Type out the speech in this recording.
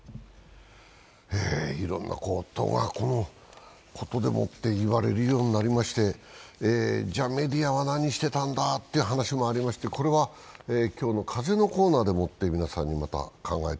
いろんなことでもって言われるようになりまして、じゃメディアは何してたんだという話もありまして、これは今日の「風」のコーナーでやります。